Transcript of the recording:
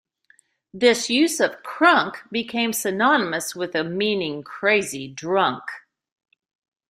This use of "crunk" became synonymous with the meaning "crazy drunk".